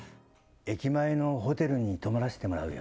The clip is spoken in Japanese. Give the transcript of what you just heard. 駅前のホテルに泊まらせてもらうよ。